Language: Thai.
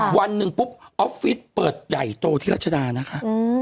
วันหนึ่งปุ๊บออฟฟิศเปิดใหญ่โตที่รัชดานะคะ